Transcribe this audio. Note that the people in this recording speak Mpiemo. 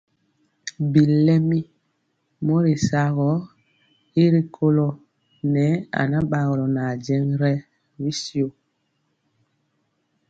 Bilɛmi mori saŋgɔɔ gɔ y rikolɔ nɛɛ anabagɔlɔ nʼajeŋg rɛ bɛ shio tya.